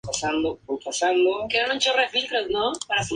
Se desembarcaron las velas y aseguraron las armas.